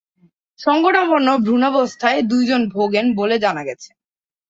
সংকটাপন্ন ভ্রুণাবস্থায় দুইজন ভোগেন বলে জানা গেছে।